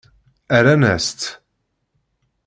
Rran-as-tt.